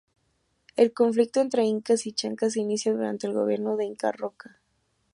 El conflicto entre Incas y Chancas se inicia durante el gobierno de Inca Roca.